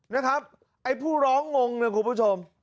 นะครับไอ้ผู้ร้องงงนะคุณผู้ชม